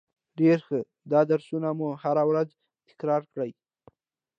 ډیره ښه ده درسونه مو هره ورځ تکرار کړئ